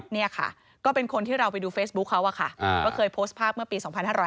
นี่ค่ะก็เป็นคนที่เราไปดูเฟซบุ๊คเขาอะค่ะก็เคยโพสต์ภาพเมื่อปี๒๕๕๙